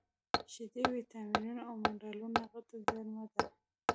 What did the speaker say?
شیدې د ویټامینونو او مینرالونو غټه زېرمه ده